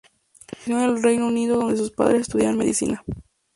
Nació en el Reino Unido donde sus padres estudiaban medicina.